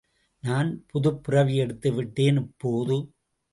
நான் புதுப்பிறவி எடுத்துவிட்டேன், இப்போது!...